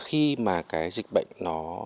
khi mà cái dịch bệnh nó